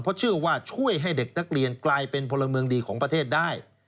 เพราะเชื่อว่าช่วยให้เด็กนักเรียนกลายเป็นพลเมืองดีของประเทศได้